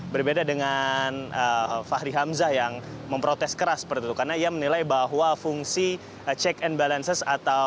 berbeda dengan fahri hamzah yang memprotes keras seperti itu karena ia menilai bahwa fungsi check and balances